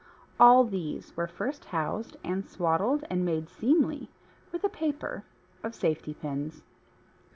all these were first housed and swaddled and made seemly with a paper of safety pins.